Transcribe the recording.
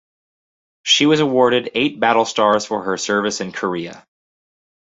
She was awarded eight battle stars for her service in Korea.